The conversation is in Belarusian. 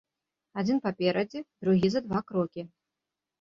Адзін паперадзе, другі за два крокі.